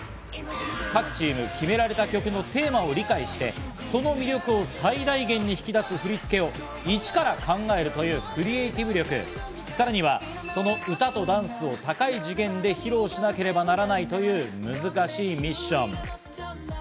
各チーム、決められた曲のテーマを理解して、その魅力を最大限に引き出す振り付けをイチから考えるというクリエイティブ力、さらにはその歌とダンスを高い次元で披露しなければならないという難しいミッション。